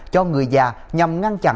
cho người già nhằm ngăn chặn